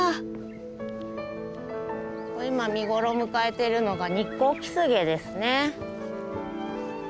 今見頃を迎えてるのがニッコウキスゲですね。